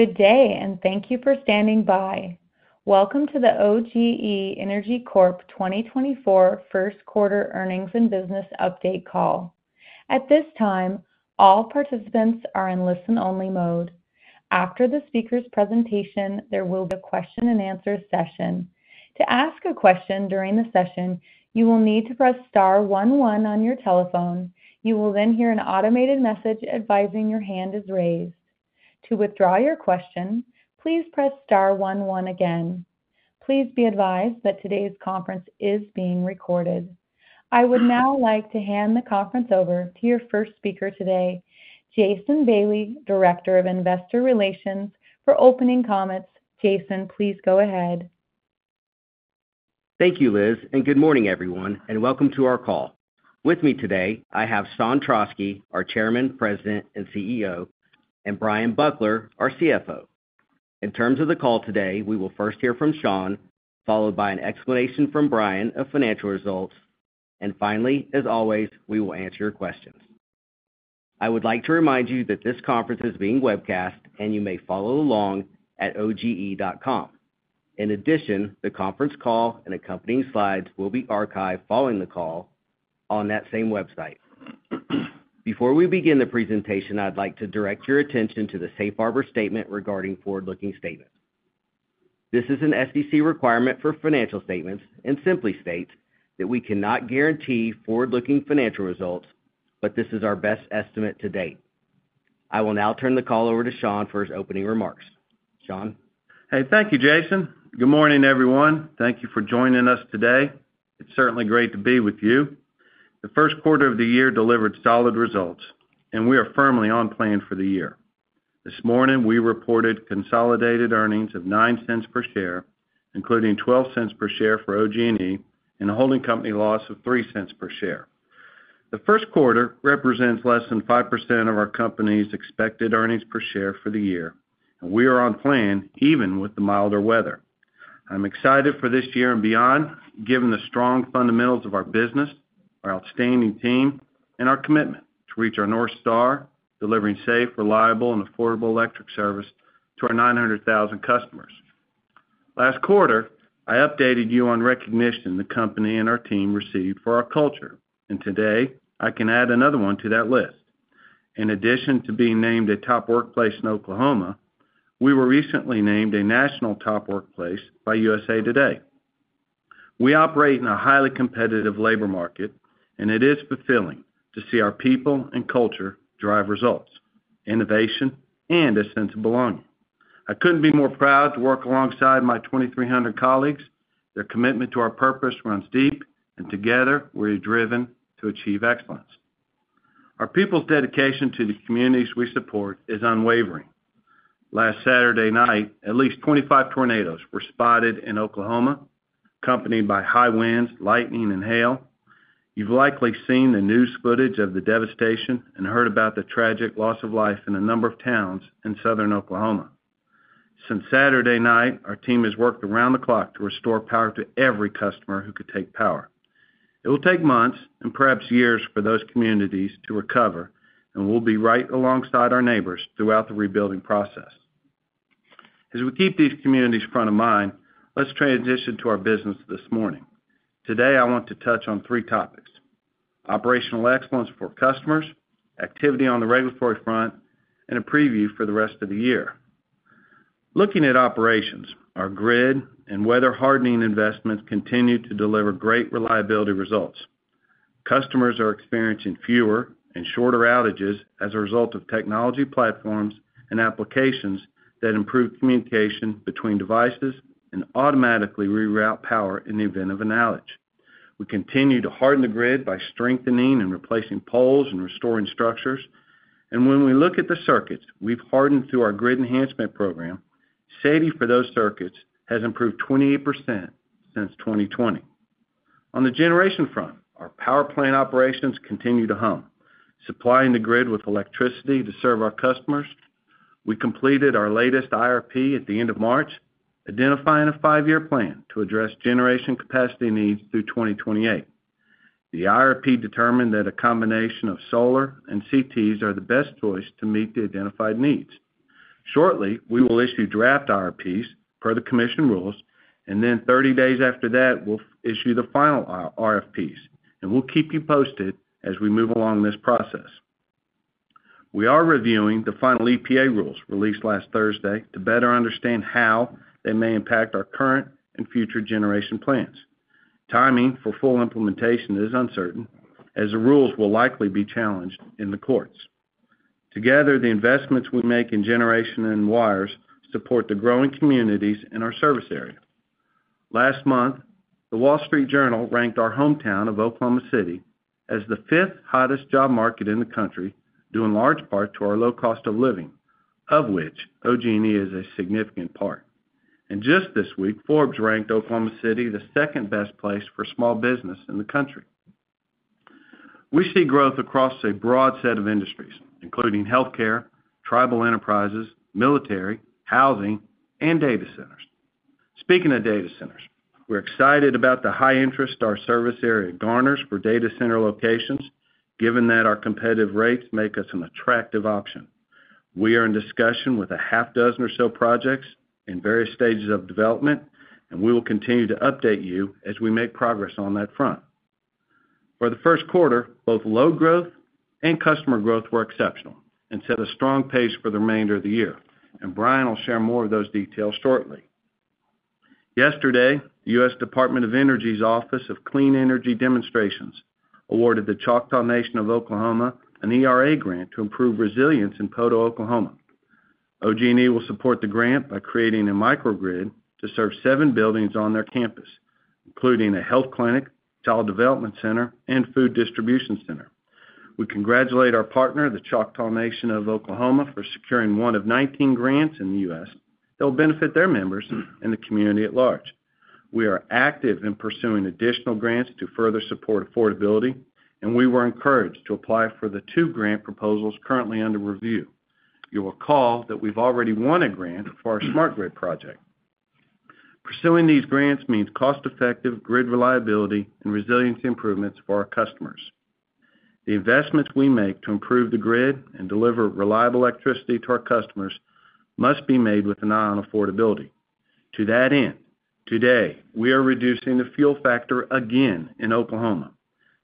Good day, and thank you for standing by. Welcome to the OG&E Energy Corp. 2024 first quarter earnings and business update call. At this time, all participants are in listen-only mode. After the speaker's presentation, there will be a question-and-answer session. To ask a question during the session, you will need to press star one one on your telephone. You will then hear an automated message advising your hand is raised. To withdraw your question, please press star one one again. Please be advised that today's conference is being recorded. I would now like to hand the conference over to your first speaker today, Jason Bailey, Director of Investor Relations, for opening comments. Jason, please go ahead. Thank you, Liz, and good morning, everyone, and welcome to our call. With me today, I have Sean Trauschke, our Chairman, President, and CEO, and Bryan Buckler, our CFO. In terms of the call today, we will first hear from Sean, followed by an explanation from Bryan of financial results, and finally, as always, we will answer your questions. I would like to remind you that this conference is being webcast, and you may follow along at oge.com. In addition, the conference call and accompanying slides will be archived following the call on that same website. Before we begin the presentation, I'd like to direct your attention to the safe harbor statement regarding forward-looking statements. This is an SEC requirement for financial statements and simply states that we cannot guarantee forward-looking financial results, but this is our best estimate to date. I will now turn the call over to Sean for his opening remarks. Sean? Hey, thank you, Jason. Good morning, everyone. Thank you for joining us today. It's certainly great to be with you. The first quarter of the year delivered solid results, and we are firmly on plan for the year. This morning, we reported consolidated earnings of $0.09 per share, including $0.12 per share for OG&E and a holding company loss of $0.03 per share. The first quarter represents less than 5% of our company's expected earnings per share for the year, and we are on plan even with the milder weather. I'm excited for this year and beyond, given the strong fundamentals of our business, our outstanding team, and our commitment to reach our North Star, delivering safe, reliable, and affordable electric service to our 900,000 customers. Last quarter, I updated you on recognition the company and our team received for our culture, and today I can add another one to that list. In addition to being named a top workplace in Oklahoma, we were recently named a national top workplace by USA TODAY. We operate in a highly competitive labor market, and it is fulfilling to see our people and culture drive results, innovation, and a sense of belonging. I couldn't be more proud to work alongside my 2,300 colleagues. Their commitment to our purpose runs deep, and together, we're driven to achieve excellence. Our people's dedication to the communities we support is unwavering. Last Saturday night, at least 25 tornadoes were spotted in Oklahoma, accompanied by high winds, lightning, and hail. You've likely seen the news footage of the devastation and heard about the tragic loss of life in a number of towns in Southern Oklahoma. Since Saturday night, our team has worked around the clock to restore power to every customer who could take power. It will take months and perhaps years for those communities to recover, and we'll be right alongside our neighbors throughout the rebuilding process. As we keep these communities front of mind, let's transition to our business this morning. Today, I want to touch on three topics: operational excellence for customers, activity on the regulatory front, and a preview for the rest of the year. Looking at operations, our grid and weather hardening investments continue to deliver great reliability results. Customers are experiencing fewer and shorter outages as a result of technology platforms and applications that improve communication between devices and automatically reroute power in the event of an outage. We continue to harden the grid by strengthening and replacing poles and restoring structures. When we look at the circuits we've hardened through our grid enhancement program, safety for those circuits has improved 28% since 2020. On the generation front, our power plant operations continue to hum, supplying the grid with electricity to serve our customers. We completed our latest IRP at the end of March, identifying a five-year plan to address generation capacity needs through 2028. The IRP determined that a combination of solar and CTs are the best choice to meet the identified needs. Shortly, we will issue draft RFPs per the commission rules, and then 30 days after that, we'll issue the final RFPs, and we'll keep you posted as we move along this process. We are reviewing the final EPA rules released last Thursday to better understand how they may impact our current and future generation plans. Timing for full implementation is uncertain, as the rules will likely be challenged in the courts. Together, the investments we make in generation and wires support the growing communities in our service area. Last month, The Wall Street Journal ranked our hometown of Oklahoma City as the 5th hottest job market in the country, due in large part to our low cost of living, of which OG&E is a significant part. Just this week, Forbes ranked Oklahoma City the 2nd-best place for small business in the country. We see growth across a broad set of industries, including healthcare, tribal enterprises, military, housing, and data centers.... Speaking of data centers, we're excited about the high interest our service area garners for data center locations, given that our competitive rates make us an attractive option. We are in discussion with a half dozen or so projects in various stages of development, and we will continue to update you as we make progress on that front. For the first quarter, both load growth and customer growth were exceptional and set a strong pace for the remainder of the year, and Bryan will share more of those details shortly. Yesterday, the US Department of Energy's Office of Clean Energy Demonstrations awarded the Choctaw Nation of Oklahoma an eRA grant to improve resilience in Poteau, Oklahoma. OG&E will support the grant by creating a microgrid to serve seven buildings on their campus, including a health clinic, child development center, and food distribution center. We congratulate our partner, the Choctaw Nation of Oklahoma, for securing one of 19 grants in the US that will benefit their members and the community at large. We are active in pursuing additional grants to further support affordability, and we were encouraged to apply for the two grant proposals currently under review. You'll recall that we've already won a grant for our smart grid project. Pursuing these grants means cost-effective grid reliability and resiliency improvements for our customers. The investments we make to improve the grid and deliver reliable electricity to our customers must be made with an eye on affordability. To that end, today, we are reducing the fuel factor again in Oklahoma.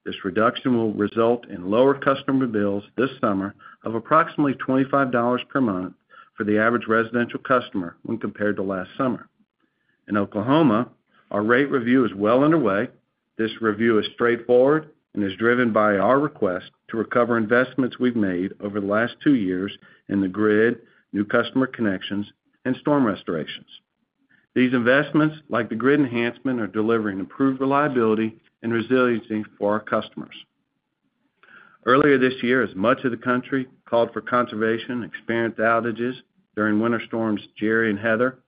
This reduction will result in lower customer bills this summer of approximately $25 per month for the average residential customer when compared to last summer. In Oklahoma, our rate review is well underway. This review is straightforward and is driven by our request to recover investments we've made over the last two years in the grid, new customer connections, and storm restorations. These investments, like the grid enhancement, are delivering improved reliability and resiliency for our customers. Earlier this year, as much of the country called for conservation and experienced outages during winter storms Gerri and Heather,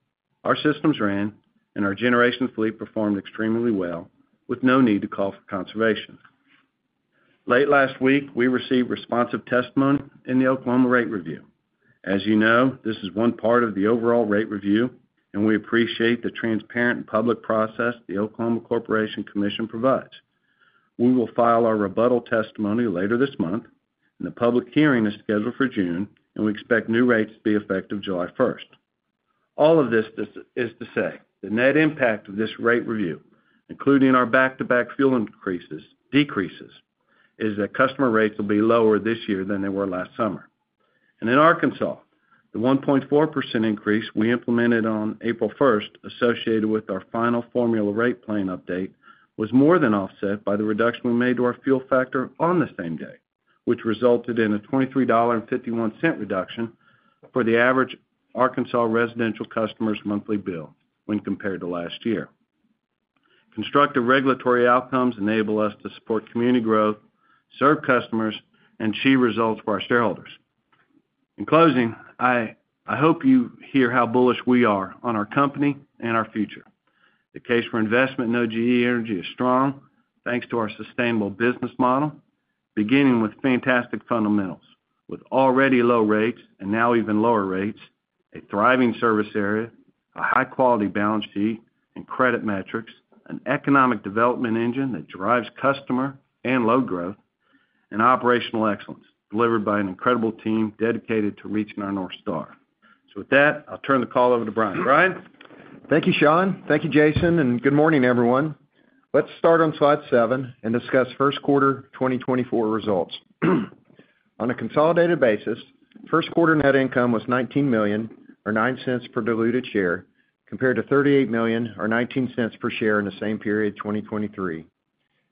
our systems ran, and our generation fleet performed extremely well, with no need to call for conservation. Late last week, we received responsive testimony in the Oklahoma rate review. As you know, this is one part of the overall rate review, and we appreciate the transparent and public process the Oklahoma Corporation Commission provides. We will file our rebuttal testimony later this month, and the public hearing is scheduled for June, and we expect new rates to be effective July first. All of this is to say, the net impact of this rate review, including our back-to-back fuel increases-decreases, is that customer rates will be lower this year than they were last summer. In Arkansas, the 1.4% increase we implemented on April first, associated with our final formula rate plan update, was more than offset by the reduction we made to our fuel factor on the same day, which resulted in a $23.51 reduction for the average Arkansas residential customer's monthly bill when compared to last year. Constructive regulatory outcomes enable us to support community growth, serve customers, and achieve results for our shareholders. In closing, I hope you hear how bullish we are on our company and our future. The case for investment in OG&E Energy is strong, thanks to our sustainable business model, beginning with fantastic fundamentals, with already low rates and now even lower rates, a thriving service area, a high-quality balance sheet and credit metrics, an economic development engine that drives customer and load growth, and operational excellence delivered by an incredible team dedicated to reaching our North Star. So with that, I'll turn the call over to Bryan. Bryan? Thank you, Sean. Thank you, Jason, and good morning, everyone. Let's start on slide 7 and discuss first quarter 2024 results. On a consolidated basis, first quarter net income was $19 million or $0.09 per diluted share, compared to $38 million or $0.19 per share in the same period, 2023.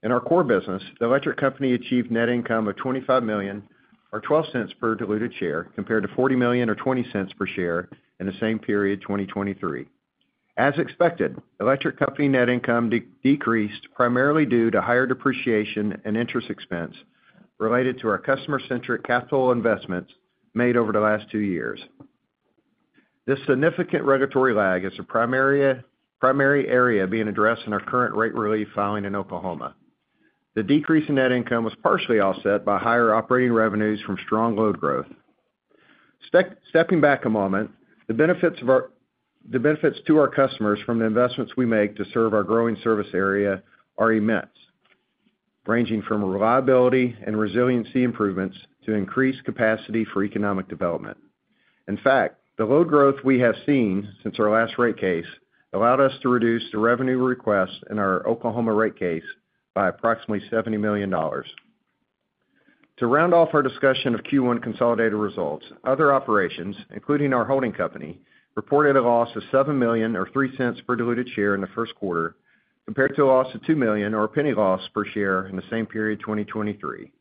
In our core business, the electric company achieved net income of $25 million or $0.12 per diluted share, compared to $40 million or $0.20 per share in the same period, 2023. As expected, electric company net income decreased, primarily due to higher depreciation and interest expense related to our customer-centric capital investments made over the last two years. This significant regulatory lag is a primary area being addressed in our current rate relief filing in Oklahoma. The decrease in net income was partially offset by higher operating revenues from strong load growth. Stepping back a moment, the benefits to our customers from the investments we make to serve our growing service area are immense, ranging from reliability and resiliency improvements to increased capacity for economic development. In fact, the load growth we have seen since our last rate case allowed us to reduce the revenue request in our Oklahoma rate case by approximately $70 million. To round off our discussion of Q1 consolidated results, other operations, including our holding company, reported a loss of $7 million or $0.03 per diluted share in the first quarter, compared to a loss of $2 million or a $0.01 loss per share in the same period, 2023.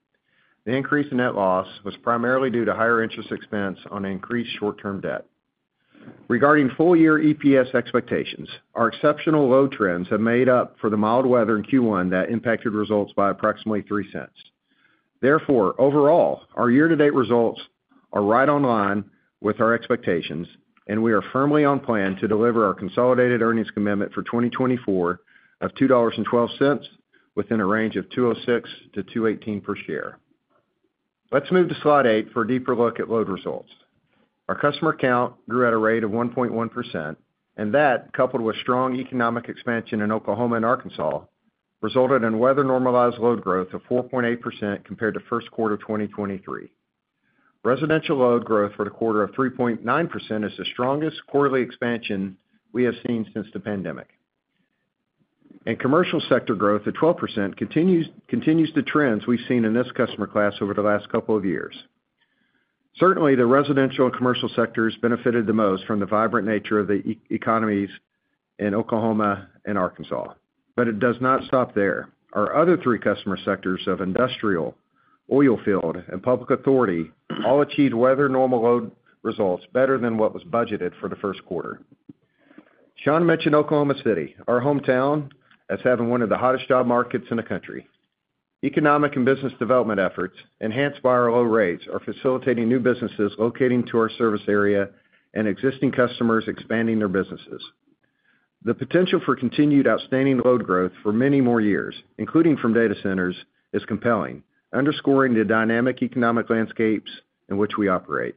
The increase in net loss was primarily due to higher interest expense on increased short-term debt. Regarding full-year EPS expectations, our exceptional load trends have made up for the mild weather in Q1 that impacted results by approximately $0.03. Therefore, overall, our year-to-date results are right on line with our expectations, and we are firmly on plan to deliver our consolidated earnings commitment for 2024 of $2.12 within a range of $2.06-$2.18 per share. Let's move to Slide 8 for a deeper look at load results. Our customer count grew at a rate of 1.1%, and that, coupled with strong economic expansion in Oklahoma and Arkansas, resulted in weather-normalized load growth of 4.8% compared to first quarter 2023. Residential load growth for the quarter of 3.9% is the strongest quarterly expansion we have seen since the pandemic. Commercial sector growth at 12% continues, continues the trends we've seen in this customer class over the last couple of years. Certainly, the residential and commercial sectors benefited the most from the vibrant nature of the economies in Oklahoma and Arkansas, but it does not stop there. Our other three customer sectors of industrial, oil field, and public authority all achieved weather normal load results better than what was budgeted for the first quarter. Sean mentioned Oklahoma City, our hometown, as having one of the hottest job markets in the country. Economic and business development efforts, enhanced by our low rates, are facilitating new businesses locating to our service area and existing customers expanding their businesses. The potential for continued outstanding load growth for many more years, including from data centers, is compelling, underscoring the dynamic economic landscapes in which we operate.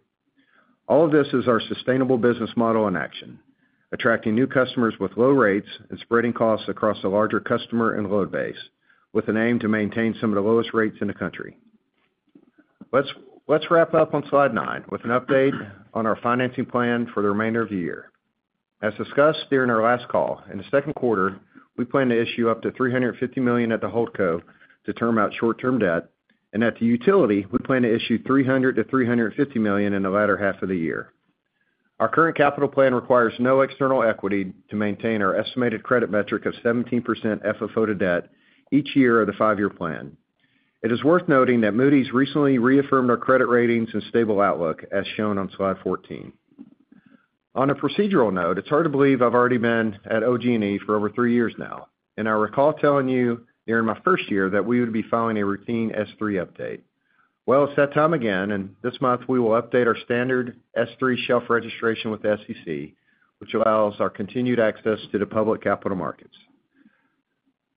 All of this is our sustainable business model in action, attracting new customers with low rates and spreading costs across a larger customer and load base, with an aim to maintain some of the lowest rates in the country. Let's wrap up on Slide 9 with an update on our financing plan for the remainder of the year. As discussed during our last call, in the second quarter, we plan to issue up to $350 million at the HoldCo to term out short-term debt, and at the utility, we plan to issue $300 to $350 million in the latter half of the year. Our current capital plan requires no external equity to maintain our estimated credit metric of 17% FFO to debt each year of the five-year plan. It is worth noting that Moody's recently reaffirmed our credit ratings and stable outlook, as shown on Slide 14. On a procedural note, it's hard to believe I've already been at OG&E for over three years now, and I recall telling you during my first year that we would be filing a routine S-3 update. Well, it's that time again, and this month, we will update our standard S-3 shelf registration with the SEC, which allows our continued access to the public capital markets.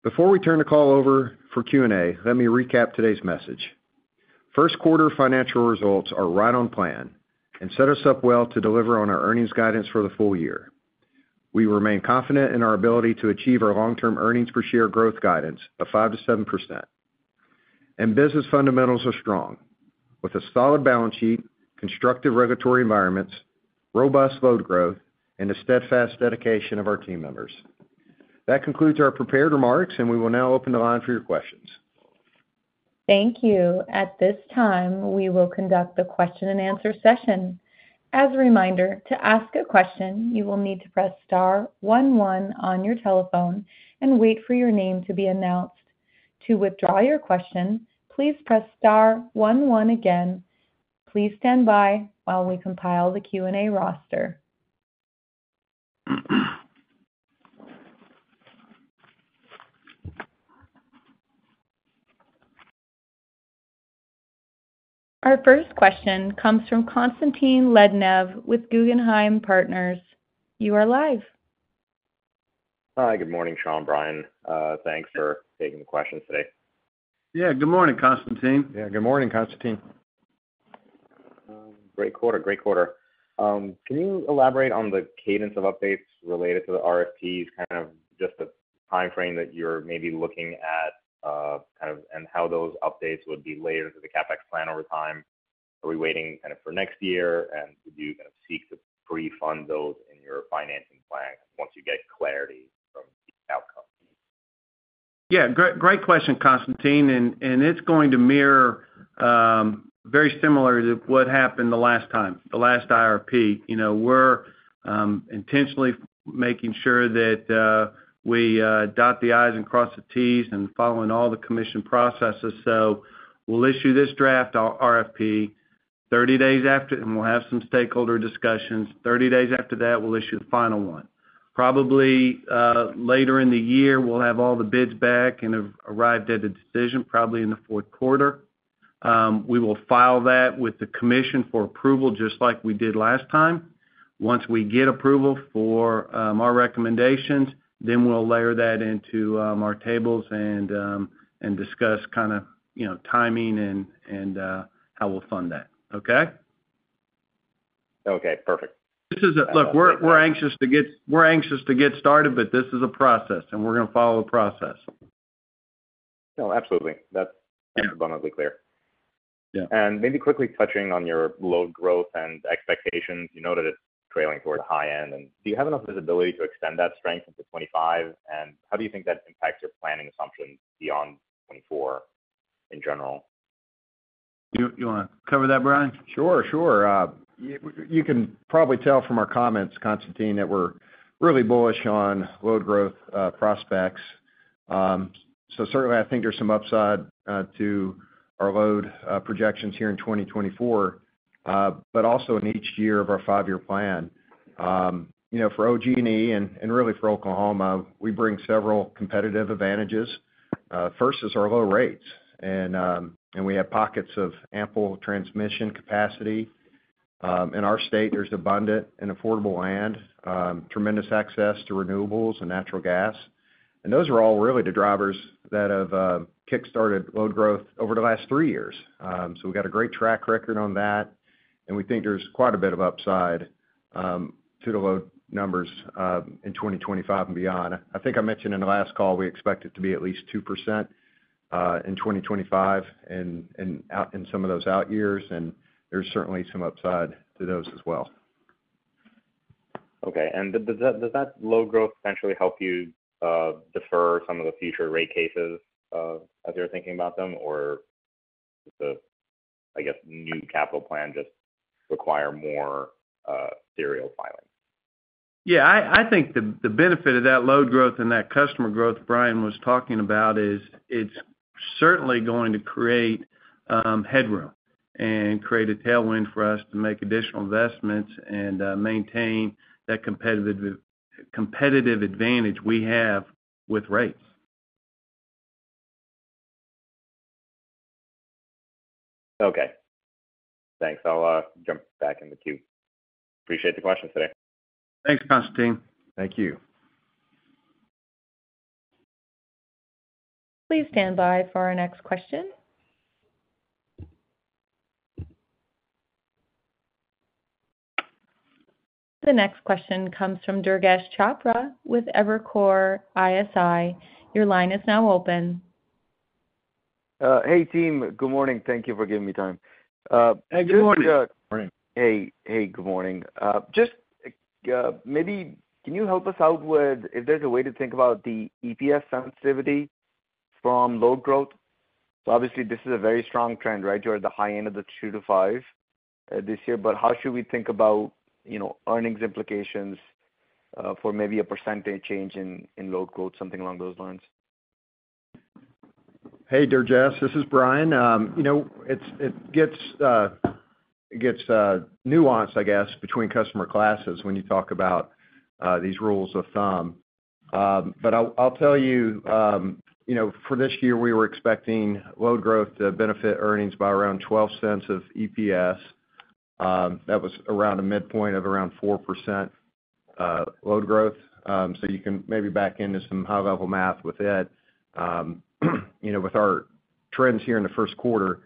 Before we turn the call over for Q&A, let me recap today's message. First quarter financial results are right on plan and set us up well to deliver on our earnings guidance for the full year. We remain confident in our ability to achieve our long-term earnings per share growth guidance of 5% to 7%. Business fundamentals are strong, with a solid balance sheet, constructive regulatory environments, robust load growth, and the steadfast dedication of our team members. That concludes our prepared remarks, and we will now open the line for your questions. Thank you. At this time, we will conduct a question-and-answer session. As a reminder, to ask a question, you will need to press star one one on your telephone and wait for your name to be announced. To withdraw your question, please press star one one again. Please stand by while we compile the Q&A roster. Our first question comes from Constantine Lednev with Guggenheim Partners. You are live. Hi, good morning, Sean, Bryan. Thanks for taking the questions today. Yeah, good morning, Constantine. Yeah, good morning, Constantine. Great quarter, great quarter. Can you elaborate on the cadence of updates related to the RFPs? Kind of just the timeframe that you're maybe looking at, kind of, and how those updates would be layered to the CapEx plan over time. Are we waiting kind of for next year, and would you kind of seek to pre-fund those in your financing plan once you get clarity from the outcome? Yeah, great, great question, Constantine, and it's going to mirror very similar to what happened the last time, the last IRP. You know, we're intentionally making sure that we dot the I's and cross the T's and following all the commission processes. So we'll issue this draft, our RFP, 30 days after, and we'll have some stakeholder discussions. 30 days after that, we'll issue the final one. Probably later in the year, we'll have all the bids back and have arrived at a decision, probably in the fourth quarter. We will file that with the commission for approval, just like we did last time. Once we get approval for our recommendations, then we'll layer that into our tables and discuss kind of, you know, timing and how we'll fund that. Okay? Okay, perfect. Look, we're anxious to get started, but this is a process, and we're going to follow the process. No, absolutely. That's absolutely clear. Yeah. Maybe quickly touching on your load growth and expectations. You noted it's trailing towards the high end, and do you have enough visibility to extend that strength into 2025? How do you think that impacts your planning assumptions beyond 2024 in general? You want to cover that, Bryan? Sure, sure. You can probably tell from our comments, Constantine, that we're really bullish on load growth prospects. So certainly, I think there's some upside to our load projections here in 2024, but also in each year of our five-year plan. You know, for OG&E and really for Oklahoma, we bring several competitive advantages. First is our low rates, and we have pockets of ample transmission capacity in our state. There's abundant and affordable land, tremendous access to renewables and natural gas. And those are all really the drivers that have kickstarted load growth over the last three years. So we've got a great track record on that, and we think there's quite a bit of upside to the load numbers in 2025 and beyond. I think I mentioned in the last call, we expect it to be at least 2% in 2025 and out in some of those out years, and there's certainly some upside to those as well. Okay. And does that, does that load growth potentially help you, defer some of the future rate cases, as you're thinking about them? Or the, I guess, new capital plan just require more, serial filing? Yeah, I think the benefit of that load growth and that customer growth Bryan was talking about is, it's certainly going to create headroom and create a tailwind for us to make additional investments and maintain that competitive advantage we have with rates. Okay. Thanks. I'll jump back in the queue. Appreciate the question today. Thanks, Constantine. Thank you. Please stand by for our next question. The next question comes from Durgesh Chopra with Evercore ISI. Your line is now open. Hey, team. Good morning. Thank you for giving me time. Hey, good morning. Morning. Hey, hey, good morning. Just, maybe can you help us out with if there's a way to think about the EPS sensitivity from load growth? So obviously, this is a very strong trend, right? You're at the high end of the 2-5, this year, but how should we think about, you know, earnings implications, for maybe a percentage change in, in load growth, something along those lines? Hey, Durgesh, this is Bryan. You know, it's-- it gets nuanced, I guess, between customer classes when you talk about these rules of thumb. But I'll tell you, you know, for this year, we were expecting load growth to benefit earnings by around $0.12 of EPS. That was around a midpoint of around 4% load growth. So you can maybe back into some high-level math with it. You know, with our trends here in the first quarter,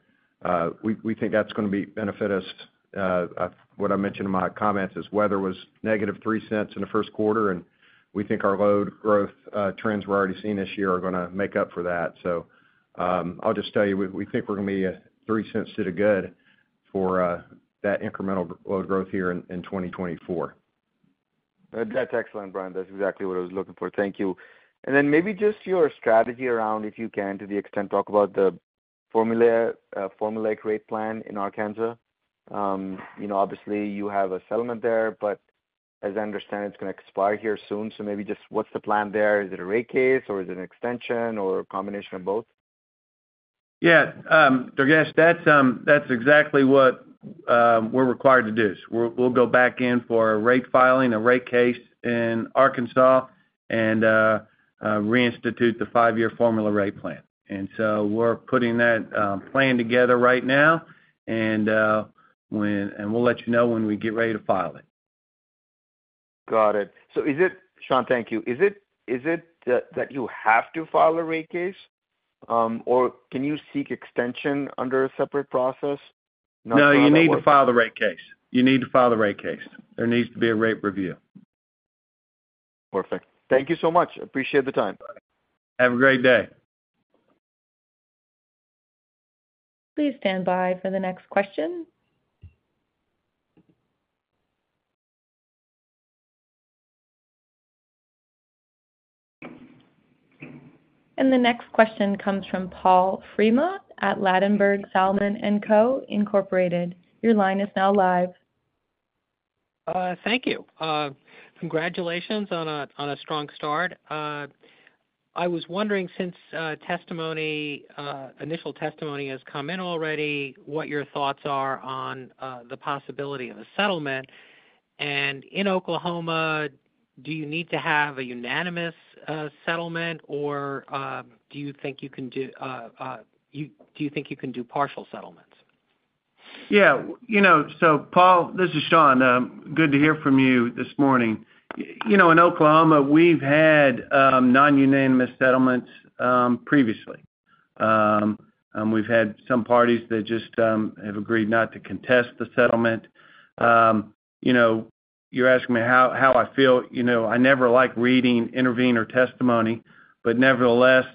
we think that's gonna be benefit us. What I mentioned in my comments is weather was -$0.03 in the first quarter, and we think our load growth trends we're already seeing this year are gonna make up for that. So, I'll just tell you, we think we're gonna be $0.03 to the good for that incremental load growth here in 2024. That's excellent, Bryan. That's exactly what I was looking for. Thank you. And then maybe just your strategy around, if you can, to the extent, talk about the formula rate plan in Arkansas. You know, obviously, you have a settlement there, but as I understand, it's gonna expire here soon. So maybe just what's the plan there? Is it a rate case, or is it an extension or a combination of both? Yeah, Durgesh, that's exactly what we're required to do. We'll go back in for a rate filing, a rate case in Arkansas and reinstitute the five-year formula rate plan. And so we're putting that plan together right now, and we'll let you know when we get ready to file it. Got it. So is it, Sean, thank you. Is it that you have to file a rate case, or can you seek extension under a separate process? No, you need to file the rate case. You need to file the rate case. There needs to be a rate review. Perfect. Thank you so much. Appreciate the time. Have a great day. Please stand by for the next question. The next question comes from Paul Fremont at Ladenburg Thalmann & Co. Inc. Your line is now live. Thank you. Congratulations on a strong start. I was wondering, since initial testimony has come in already, what your thoughts are on the possibility of a settlement. In Oklahoma, do you need to have a unanimous settlement, or do you think you can do partial settlements? Yeah. You know, so Paul, this is Sean. Good to hear from you this morning. You know, in Oklahoma, we've had non-unanimous settlements previously. We've had some parties that just have agreed not to contest the settlement. You know, you're asking me how I feel. You know, I never like reading intervener testimony, but nevertheless,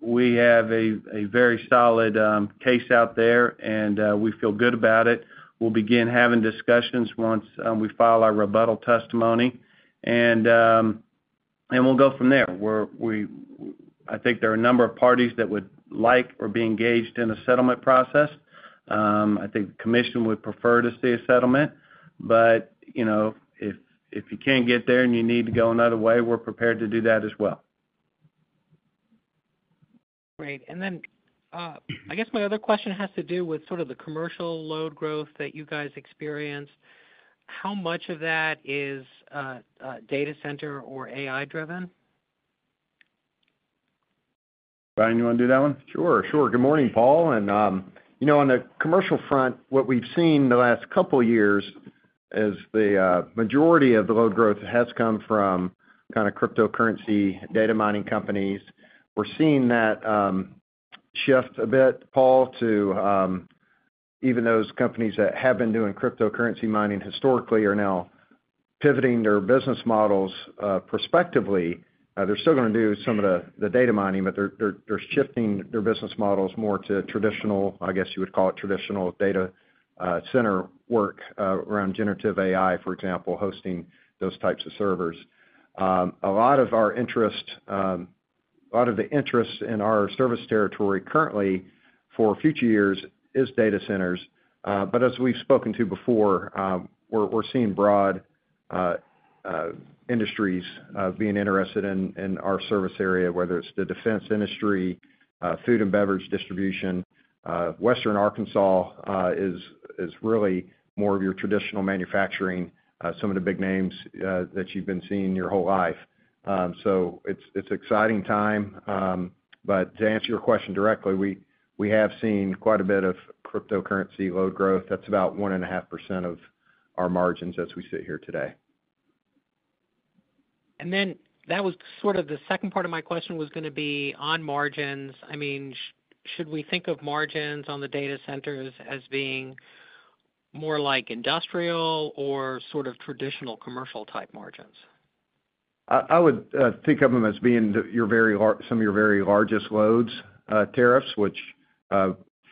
we have a very solid case out there, and we feel good about it. We'll begin having discussions once we file our rebuttal testimony, and we'll go from there. I think there are a number of parties that would like or be engaged in a settlement process. I think the commission would prefer to see a settlement, but, you know, if you can't get there and you need to go another way, we're prepared to do that as well. Great. I guess my other question has to do with sort of the commercial load growth that you guys experienced. How much of that is data center or AI-driven?... Bryan, you want to do that one? Sure, sure. Good morning, Paul. You know, on the commercial front, what we've seen the last couple of years is the majority of the load growth has come from kind of cryptocurrency, data mining companies. We're seeing that shift a bit, Paul, to even those companies that have been doing cryptocurrency mining historically are now pivoting their business models. Perspectively, they're still going to do some of the data mining, but they're shifting their business models more to traditional, I guess you would call it, traditional data center work around generative AI, for example, hosting those types of servers. A lot of our interest, a lot of the interest in our service territory currently for future years is data centers. But as we've spoken to before, we're seeing broad industries being interested in our service area, whether it's the defense industry, food and beverage distribution. Western Arkansas is really more of your traditional manufacturing, some of the big names that you've been seeing your whole life. So it's exciting time, but to answer your question directly, we have seen quite a bit of cryptocurrency load growth. That's about 1.5% of our margins as we sit here today. That was sort of the second part of my question was going to be on margins. I mean, should we think of margins on the data centers as being more like industrial or sort of traditional commercial-type margins? I would think of them as being your very largest loads, tariffs, which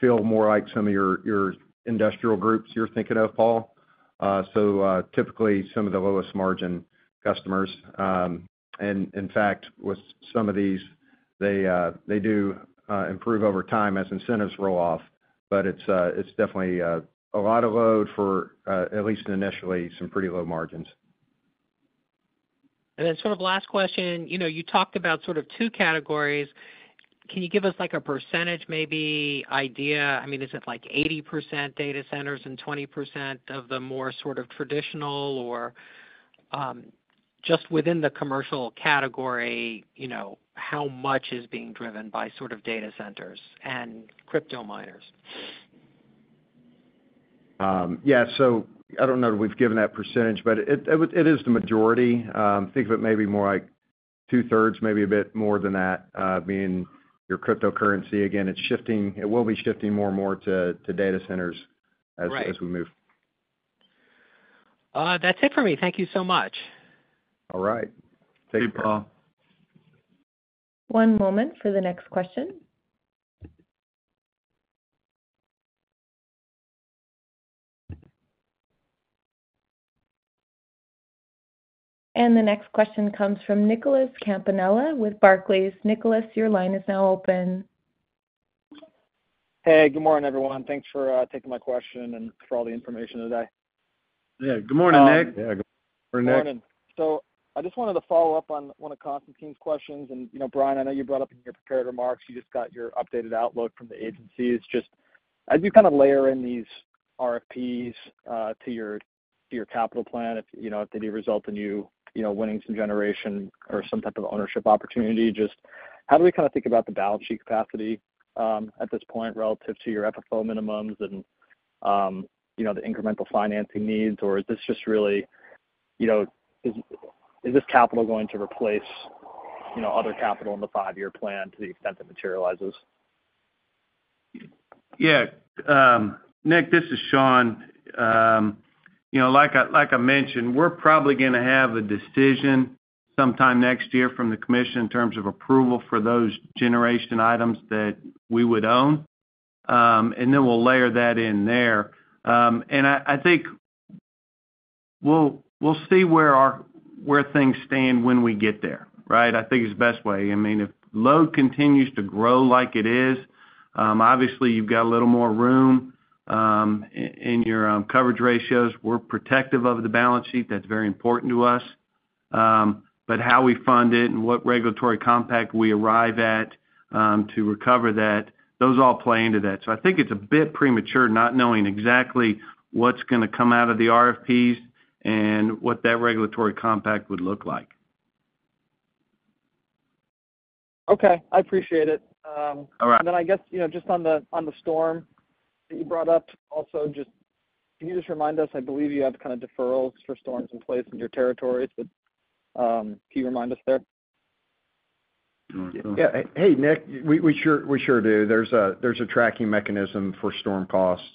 feel more like some of your industrial groups you're thinking of, Paul. So typically some of the lowest margin customers. And in fact, with some of these, they do improve over time as incentives roll off, but it's definitely a lot of load for at least initially some pretty low margins. Then sort of last question. You know, you talked about sort of two categories. Can you give us, like, a percentage maybe idea? I mean, is it like 80% data centers and 20% of the more sort of traditional, or just within the commercial category, you know, how much is being driven by sort of data centers and crypto miners? Yeah, so I don't know that we've given that percentage, but it is the majority. Think of it maybe more like two-thirds, maybe a bit more than that, being your cryptocurrency. Again, it's shifting. It will be shifting more and more to data centers as- Right... as we move. That's it for me. Thank you so much. All right. Thank you, Paul. One moment for the next question. The next question comes from Nicholas Campanella with Barclays. Nicholas, your line is now open. Hey, good morning, everyone. Thanks for taking my question and for all the information today. Yeah, good morning, Nick. Yeah, good morning, Nick. Morning. So I just wanted to follow up on one of Constantine's questions. And, you know, Bryan, I know you brought up in your prepared remarks, you just got your updated outlook from the agencies. Just as you kind of layer in these RFPs to your, to your capital plan, if, you know, if they result in you, you know, winning some generation or some type of ownership opportunity, just how do we kind of think about the balance sheet capacity at this point, relative to your FFO minimums and, you know, the incremental financing needs? Or is this just really, you know, is, is this capital going to replace, you know, other capital in the five-year plan to the extent it materializes? Yeah. Nick, this is Sean. You know, like I mentioned, we're probably going to have a decision sometime next year from the commission in terms of approval for those generation items that we would own. And then we'll layer that in there. And I think we'll see where things stand when we get there, right? I think it's the best way. I mean, if load continues to grow like it is, obviously, you've got a little more room in your coverage ratios. We're protective of the balance sheet. That's very important to us. But how we fund it and what regulatory compact we arrive at to recover that, those all play into that. So I think it's a bit premature not knowing exactly what's going to come out of the RFPs and what that regulatory compact would look like. Okay, I appreciate it. All right. And then I guess, you know, just on the storm that you brought up also, just can you remind us? I believe you have kind of deferrals for storms in place in your territories, but can you remind us there? Yeah. Hey, Nick, we sure do. There's a tracking mechanism for storm costs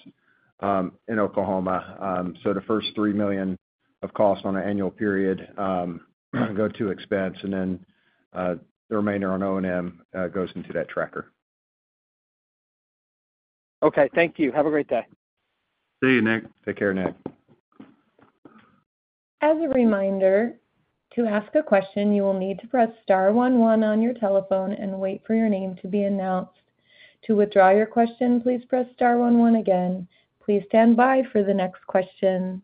in Oklahoma. So the first $3 million of costs on an annual period go to expense, and then the remainder on O&M goes into that tracker. Okay, thank you. Have a great day. See you, Nick. Take care, Nick. As a reminder, to ask a question, you will need to press star one one on your telephone and wait for your name to be announced. To withdraw your question, please press star one one again. Please stand by for the next question.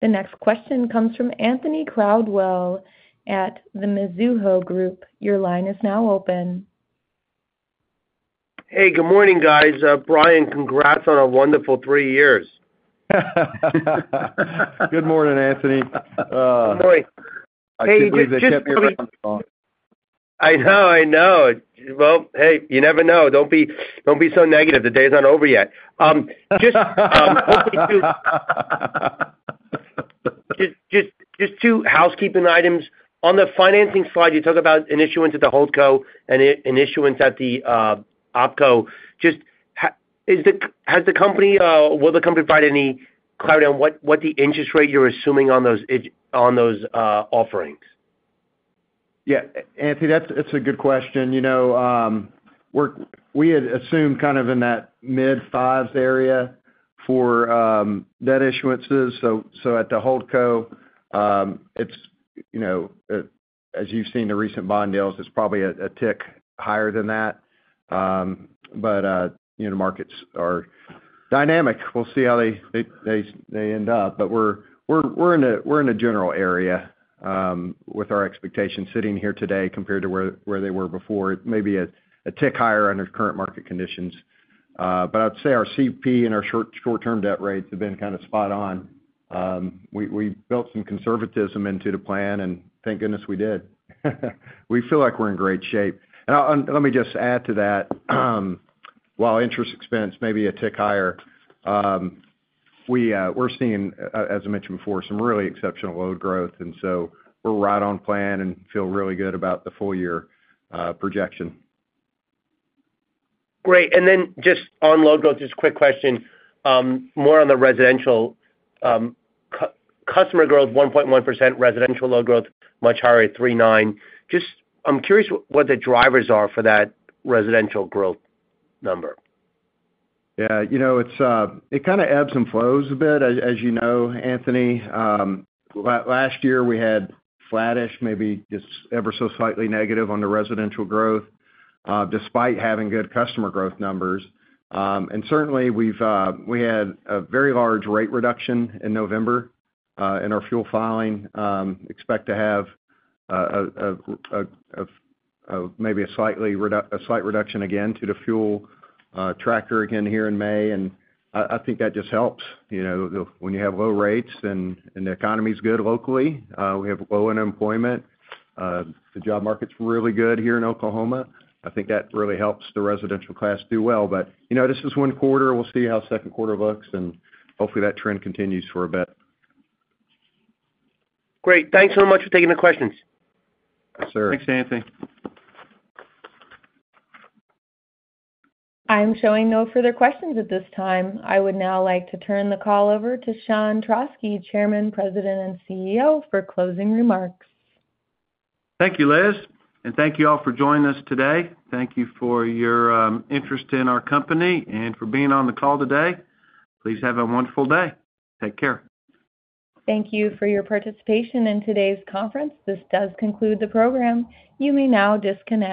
The next question comes from Anthony Crowdell at the Mizuho Group. Your line is now open. Hey, good morning, guys. Bryan, congrats on a wonderful three years. Good morning, Anthony. Good morning. I can't believe they kept me on the phone. I know, I know. Well, hey, you never know. Don't be so negative, the day is not over yet. Just two housekeeping items. On the financing slide, you talk about an issuance at the HoldCo and an issuance at the OpCo. Will the company provide any clarity on what the interest rate you're assuming on those offerings? Yeah, Anthony, that's a good question. You know, we're. We had assumed kind of in that mid-5s area for debt issuances. So at the HoldCo, it's, you know, as you've seen the recent bond deals, it's probably a tick higher than that. But you know, markets are dynamic. We'll see how they end up. But we're in a general area with our expectations sitting here today compared to where they were before, maybe a tick higher under current market conditions. But I'd say our CP and our short-term debt rates have been kind of spot on. We built some conservatism into the plan, and thank goodness we did. We feel like we're in great shape. Let me just add to that, while interest expense may be a tick higher, we're seeing, as I mentioned before, some really exceptional load growth, and so we're right on plan and feel really good about the full year projection. Great. Then just on load growth, just a quick question, more on the residential, customer growth, 1.1%, residential load growth, much higher at 3.9. Just, I'm curious what the drivers are for that residential growth number. Yeah, you know, it's, it kind of ebbs and flows a bit. As, as you know, Anthony, last year we had flattish, maybe just ever so slightly negative on the residential growth, despite having good customer growth numbers. And certainly, we've, we had a very large rate reduction in November, in our fuel filing. Expect to have, maybe a slightly redu-- a slight reduction again, to the fuel, tracker again here in May, and I, I think that just helps. You know, when you have low rates and, and the economy's good locally, we have low unemployment. The job market's really good here in Oklahoma. I think that really helps the residential class do well. But, you know, this is one quarter. We'll see how second quarter looks, and hopefully, that trend continues for a bit. Great. Thanks so much for taking the questions. Yes, sir. Thanks, Anthony. I'm showing no further questions at this time. I would now like to turn the call over to Sean Trauschke, Chairman, President, and CEO, for closing remarks. Thank you, Liz, and thank you all for joining us today. Thank you for your interest in our company and for being on the call today. Please have a wonderful day. Take care. Thank you for your participation in today's conference. This does conclude the program. You may now disconnect.